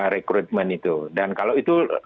rekrutmen itu dan kalau itu